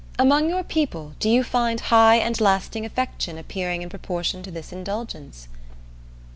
Among your people do you find high and lasting affection appearing in proportion to this indulgence?"